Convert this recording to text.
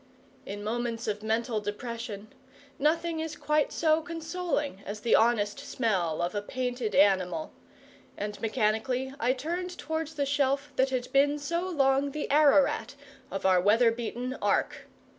In moments of mental depression, nothing is quite so consoling as the honest smell of a painted animal; and mechanically I turned towards the shelf that had been so long the Ararat of our weather beaten Ark.